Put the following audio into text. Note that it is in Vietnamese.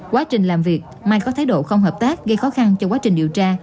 quá trình làm việc mai có thái độ không hợp tác gây khó khăn cho quá trình điều tra